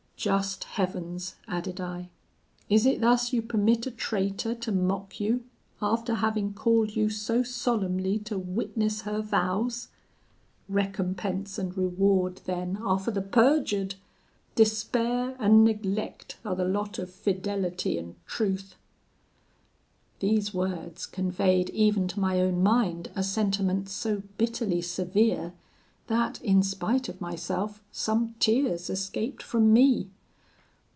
Just Heavens,' added I, 'is it thus you permit a traitor to mock you, after having called you so solemnly to witness her vows! Recompense and reward then are for the perjured! Despair and neglect are the lot of fidelity and truth!' "These words conveyed even to my own mind a sentiment so bitterly severe, that, in spite of myself, some tears escaped from me.